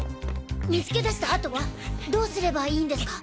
見つけ出したあとはどうすればいいんですか？